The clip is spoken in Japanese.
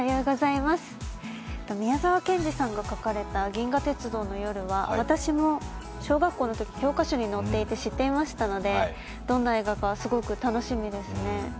宮沢賢治さんが書かれた「銀河鉄道の夜」は私も小学校のとき教科書に載っていて知っていましたのでどんな映画かすごく楽しみですね。